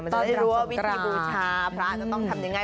มันจะได้รู้ว่าวิธีภูมิพระคราจะต้องทำอย่างไร